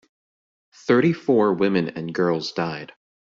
Thirty-four women and girls died.